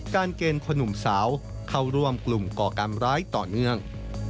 เกณฑ์คนหนุ่มสาวเข้าร่วมกลุ่มก่อการร้ายต่อเนื่อง